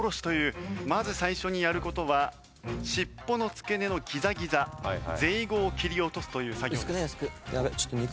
まず最初にやる事は尻尾の付け根のギザギザゼイゴを切り落とすという作業です。